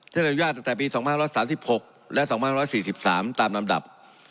ที่ได้บริษัทตั้งแต่ปี๒๕๓๖และ๒๕๔๓ตามลำดับ